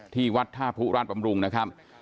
ที่วัดธาปุราชปำรุงนะครับ